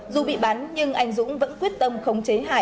dù bị bắn nhưng anh dũng vẫn quyết tâm khống chế hành vi